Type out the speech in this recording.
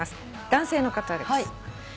男性の方です。